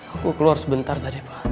aku keluar sebentar tadi pak